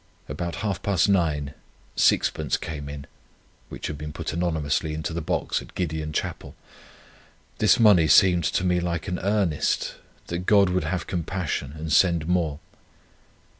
About half past nine sixpence came in, which had been put anonymously into the box at Gideon Chapel. This money seemed to me like an earnest, that God would have compassion and send more.